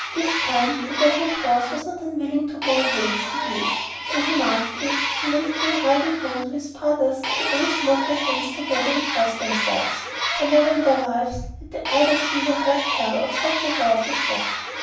This time the dappled horse was not unwilling to go away with the youth, so he mounted it, and when he came riding home to his brothers they all smote their hands together and crossed themselves, for never in their lives had they either seen or heard tell of such a horse as that.